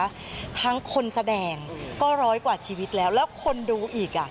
ทั้งคนแสดงก็ร้อยกว่าชีวิตแล้วแล้วคนดูอีกอ่ะ